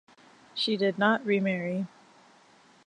She did not remarry.